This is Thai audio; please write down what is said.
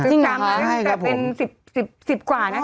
จริงหรือคะใช่ครับผมแต่เป็น๑๐กว่านะ๑๕๑๖